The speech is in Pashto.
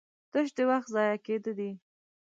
تش د وخت ضايع کېده دي